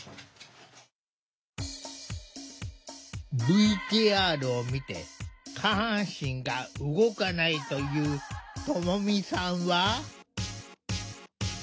ＶＴＲを見て下半身が動かないというともみさんは。